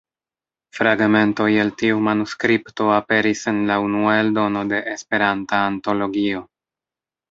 Fragmentoj el tiu manuskripto aperis en la unua eldono de "Esperanta Antologio".